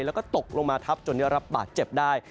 แล้วก็ตกลงมาทับจนได้รับบาดเจ็บได้